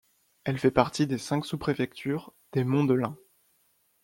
Elle fait partie des cinq sous-préfectures des Monts de Lam.